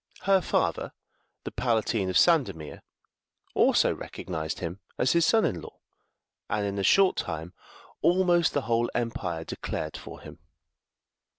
Her father, the Palatine of Sandomir, also recognized him as his son in law, and in a short time almost the whole empire declared for him.